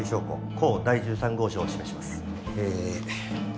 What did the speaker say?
甲第１３号証を示しますえ